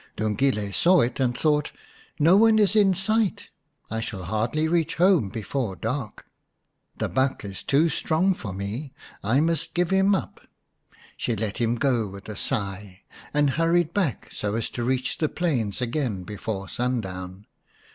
Lungile saw it, and thought, " No one is in sight, I shall hardly reach home before dark. 219 The Enchanted Buck xvm The buck is too strong for me ; I must give him up." She let him go with a sigh, and hurried back so as to reach the plains again before sundown.